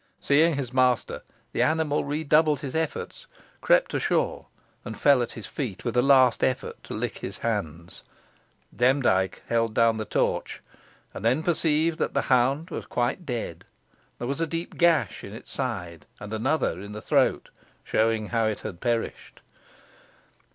Seeing his master the animal redoubled its efforts, crept ashore, and fell at his feet, with a last effort to lick his hands. Demdike held down the torch, and then perceived that the hound was quite dead. There was a deep gash in its side, and another in the throat, showing how it had perished.